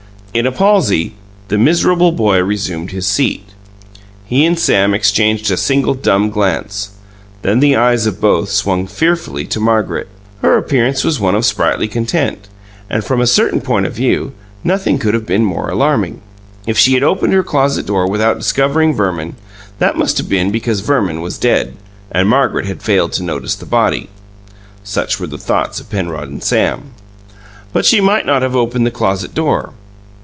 In a palsy, the miserable boy resumed his seat. He and Sam exchanged a single dumb glance; then the eyes of both swung fearfully to Margaret. Her appearance was one of sprightly content, and, from a certain point of view, nothing could have been more alarming. If she had opened her closet door without discovering Verman, that must have been because Verman was dead and Margaret had failed to notice the body. (Such were the thoughts of Penrod and Sam.) But she might not have opened the closet door.